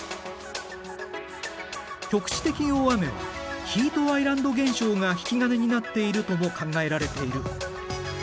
局地的大雨はヒートアイランド現象が引き金になっているとも考えられている。